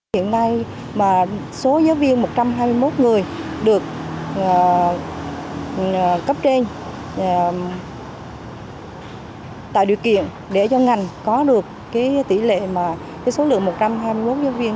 hiện nay số giáo viên một trăm hai mươi một người được cấp trên tạo điều kiện để cho ngành có được tỷ lệ mà số lượng một trăm hai mươi một giáo viên